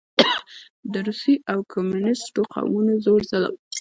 د روسي او کميونسټو قوتونو زور ظلم